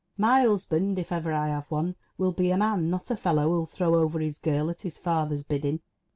My husband, if ever I have one, will be a man, not a fellow who'll throw over his girl at his father's bidding